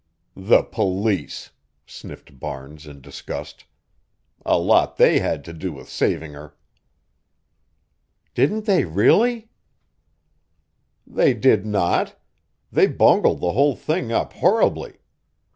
"The police!" sniffed Barnes in disgust. "A lot they had to do with saving her." "Didn't they really?" "They did not. They bungled the whole thing up horribly.